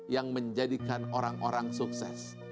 yang menjadikan orang orang sukses